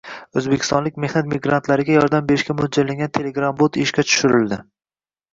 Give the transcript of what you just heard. O‘zbekistonlik mehnat migrantlariga yordam berishga mo‘ljallangan Telegram-bot ishga tushirildi